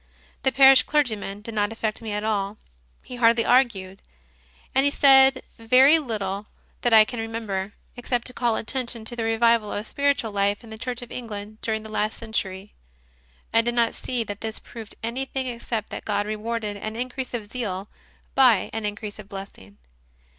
The parish clergyman did not affect me at all. He hardly argued, and he said very little that I can remember, except to call attention to the revival of spiritual life in the Church of England during the last century. I did not see that this proved any thing except that God rewarded an increase of zeal by an increase of blessing.